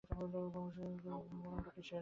মুখুজ্যেমশায়, ও কাগজের গোলাটা কিসের?